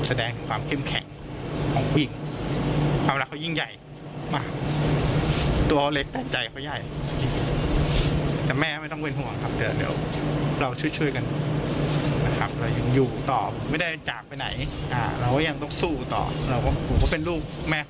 เรายังต้องสู้ต่อผมก็เป็นลูกแม่คนหนึ่ง